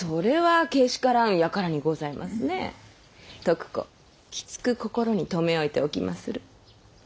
徳子きつく心に留め置いておきまする。